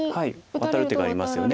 ワタる手がありますよね。